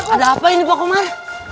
ada apa ini pak komar